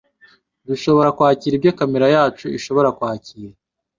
Dushobora kwakira ibyo kamere yacu ishobora Kwakira.